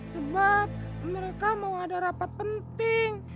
sebab mereka mau ada rapat penting